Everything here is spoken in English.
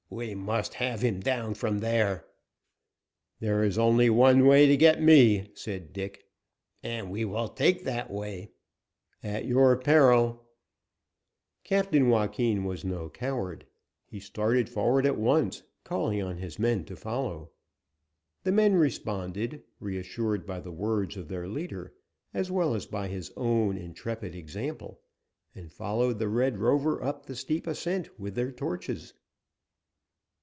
We must have him down from there!" "There is only one way to get me," said Dick. "And we will take that way." "At your peril." Captain Joaquin was no coward. He started forward at once, calling on his men to follow. The men responded, reassured by the word of their leader, as well as by his own intrepid example, and followed the Red Rover up the steep ascent with their torches.